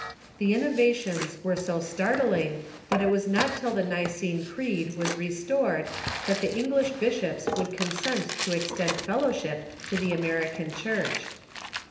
The innovations were so startling that it w^as not till the Nicene Creed Avas restored that the English bishops would consent to extend fellowship to the American Church.